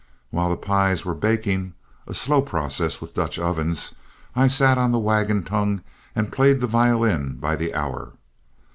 While the pies were baking, a slow process with Dutch ovens, I sat on the wagon tongue and played the violin by the hour.